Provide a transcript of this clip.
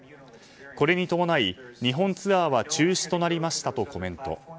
これに伴い、日本ツアーは中止となりましたとコメント。